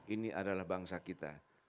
ini adalah bangsa kita